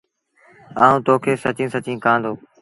آئوٚنٚ تو کي سچيٚݩ سچيٚݩ ڪهآندو